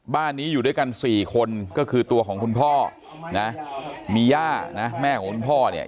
บ้านนี้อยู่ด้วยกันสี่คนก็คือตัวของคุณพ่อนะมีย่านะแม่ของคุณพ่อเนี่ย